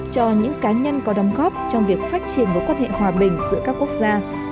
cho những cá nhân có đóng góp trong việc phát triển mối quan hệ hòa bình giữa các quốc gia